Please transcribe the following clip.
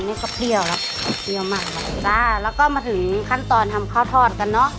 นี่ก็เปรี้ยวแล้วเปรี้ยวมากครับจ้าแล้วก็มาถึงขั้นตอนทำข้าวทอดกันเนอะ